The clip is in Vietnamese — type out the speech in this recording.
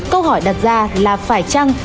câu hỏi đặt ra là phải chăng